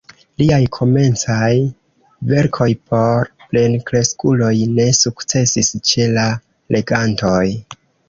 Liaj komencaj verkoj por plenkreskuloj ne sukcesis ĉe la legantoj.